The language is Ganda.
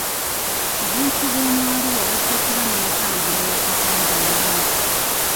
Abantu b'omu Arua bajja kuba n'entambula ya kazambi ennungi.